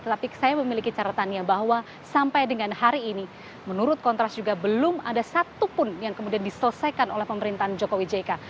tetapi saya memiliki caratannya bahwa sampai dengan hari ini menurut kontras juga belum ada satupun yang kemudian diselesaikan oleh pemerintahan jokowi jk